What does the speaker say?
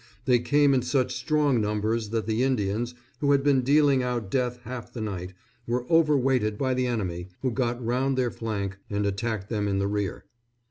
They came in such strong numbers that the Indians, who had been dealing out death half the night, were overweighted by the enemy, who got round their flank and attacked them in the rear.